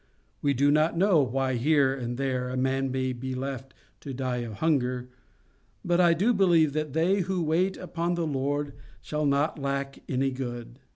We do not know why here and there a man may be left to die of hunger, but I do believe that they who wait upon the Lord shall not lack any good.